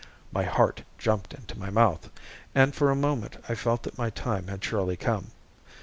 "My heart jumped into my mouth" and for a moment I felt that my time had surely come.